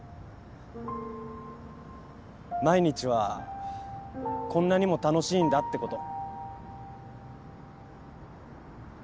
毎日はこんなにも楽しいんだってこと。